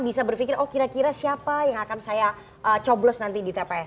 bisa berpikir oh kira kira siapa yang akan saya coblos nanti di tps